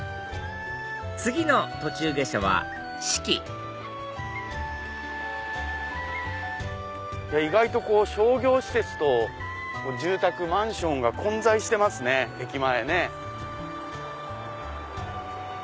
次の途中下車は志木意外と商業施設と住宅マンションが混在してます駅前。